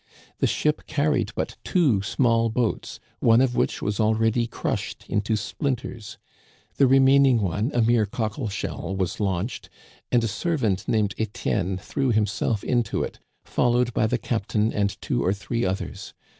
The ship carried but two small boats, one of which was already crushed into splinters. The remaining one, a mere cockle shell, was launched, and a servant named Etienne threw himself into it, followed by the captain and two or three others.